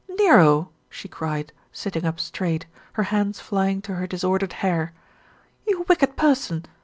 "Nero!" she cried, sitting up straight, her hands flying to her disordered hair. "You wicked person